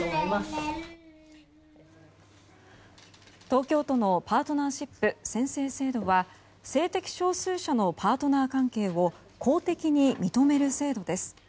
東京都のパートナーシップ宣誓制度は性的少数者のパートナー関係を公的に認める制度です。